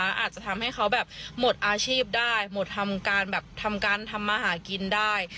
อาจจะทำให้เขาแบบหมดอาชีพได้หมดทำการแบบทำการทำมาหากินได้